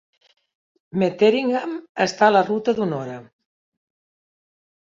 Metheringham està en la ruta d'una hora.